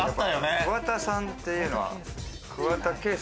桑田さんっていうのは桑田佳祐？